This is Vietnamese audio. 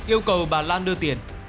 yêu cầu bà lan đưa tiền